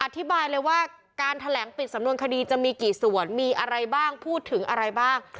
อธิบายเลยว่าการแถลงปิดสำนวนคดีจะมีกี่ส่วนมีอะไรบ้างพูดถึงอะไรบ้าง